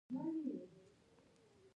کندهار د افغانانو د ګټورتیا برخه ده.